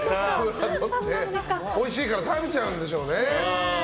おいしいから食べちゃうんでしょうね。